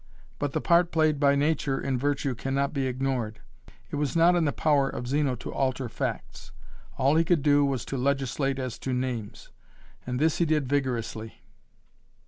But the part played by nature in virtue cannot be ignored. It was not in the power of Zeno to alter facts. All he could do was to legislate as to names. And this he did vigorously.